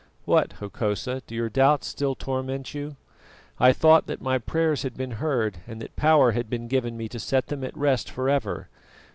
"What, Hokosa, do your doubts still torment you? I thought that my prayers had been heard, and that power had been given me to set them at rest for ever.